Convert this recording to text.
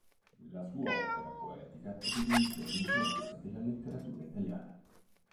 La sua opera poetica evidenziò l'influenza della letteratura italiana.